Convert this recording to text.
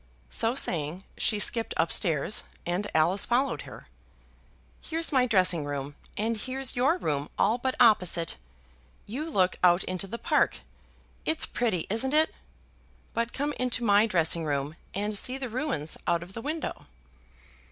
So saying she skipped up stairs and Alice followed her. "Here's my dressing room, and here's your room all but opposite. You look out into the park. It's pretty, isn't it? But come into my dressing room, and see the ruins out of the window."